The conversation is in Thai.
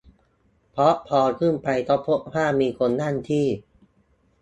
เพราะพอขึ้นไปก็พบว่ามีคนนั่งที่